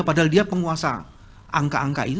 padahal dia penguasa angka angka ini